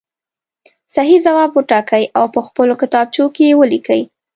صحیح ځواب وټاکئ او په خپلو کتابچو کې یې ولیکئ.